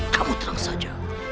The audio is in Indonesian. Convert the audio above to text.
kamu tenang saja